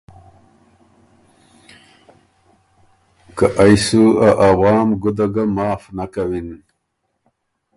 که ا ائ سُو ا عوام ګُده ګه معاف نک کَوِن۔